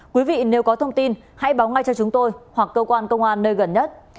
quý vị nếu có thông tin hãy báo ngay cho chúng tôi hoặc cơ quan công an nơi gần nhất